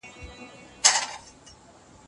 که پرکار وي نو دایره نه بیضوي کیږي.